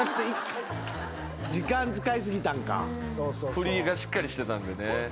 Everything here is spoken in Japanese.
振りがしっかりしてたんでね。